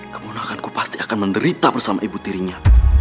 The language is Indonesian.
kemudian aku pasti akan menderita bersama ibu tirinya